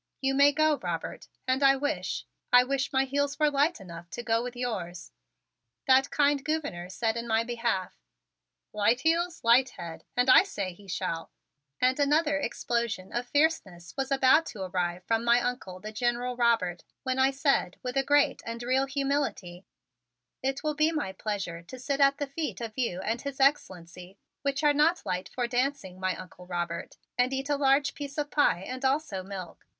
You may go, Robert, and I wish I wish my heels were light enough to go with yours," that kind Gouverneur said in my behalf. "Light heels, light head! And I say he shall " And another explosion of fierceness was about to arrive from my Uncle, the General Robert, when I said with great and real humility: "It will be my great pleasure to sit at the feet of you and His Excellency, which are not light for dancing, my Uncle Robert, and eat a large piece of pie and also milk."